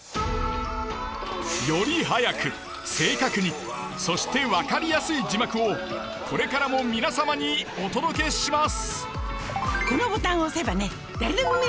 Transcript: より速く正確にそして分かりやすい字幕をこれからも皆様にお届けします。